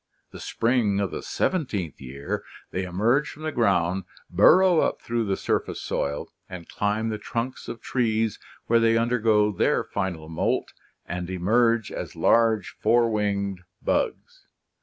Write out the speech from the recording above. The spring of the seventeenth year they emerge from the ground, burrow up through the surface soil and climb the trunks of trees, where they undergo their final moult and emerge as large four rwinged bugs.